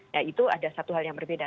nah itu ada satu hal yang berbeda